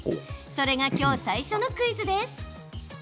それがきょう最初のクイズです。